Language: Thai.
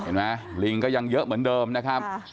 ลิงก็ยังเยอะเหมือนเดิมนะครับ